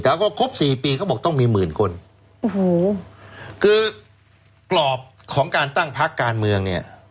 แต่ว่าครบสี่ปีเขาบอกต้องมีหมื่นคนโอ้โหคือกรอบของการตั้งพักการเมืองเนี่ย